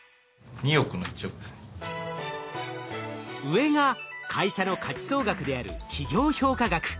上が会社の価値総額である企業評価額。